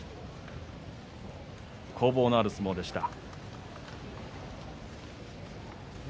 攻防のある相撲でした。